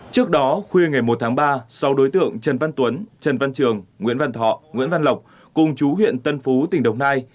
trước đó khuya ngày một ba sáu đối tượng trần văn tuấn trần văn trường nguyễn văn thọ nguyễn văn lộc cùng trú huyện tân phú tỉnh đồng nai